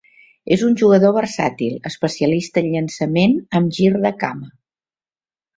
És un jugador versàtil, especialista en llançament amb gir de cama.